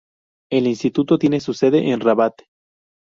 El instituto tiene su sede en Rabat.